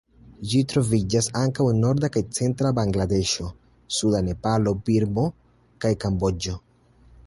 Ĝi troviĝas ankaŭ en norda kaj centra Bangladeŝo, suda Nepalo, Birmo kaj Kamboĝo.